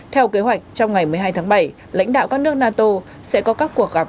theo kế hoạch trong ngày một mươi hai tháng bảy lãnh đạo các nước nato sẽ có các cuộc gặp